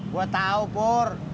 gue tau pur